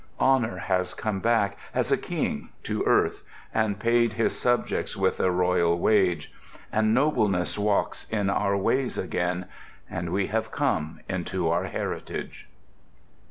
Honour has come back, as a King, to earth, And paid his subjects with a royal wage; And Nobleness walks in our ways again; And we have come into our heritage.